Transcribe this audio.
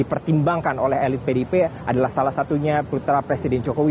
dipertimbangkan oleh elit pdip adalah salah satunya putra presiden jokowi